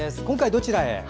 今回どちらへ？